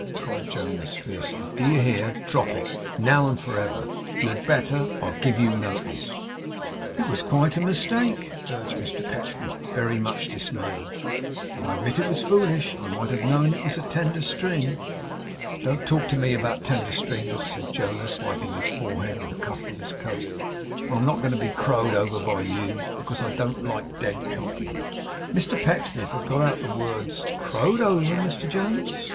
cried Jonas, fiercely. 'Do you hear? Drop it, now and for ever. You had better, I give you notice!' 'It was quite a mistake,' urged Mr Pecksniff, very much dismayed; 'though I admit it was foolish. I might have known it was a tender string.' 'Don't talk to me about tender strings,' said Jonas, wiping his forehead with the cuff of his coat. 'I'm not going to be crowed over by you, because I don't like dead company.' Mr Pecksniff had got out the words 'Crowed over, Mr Jonas!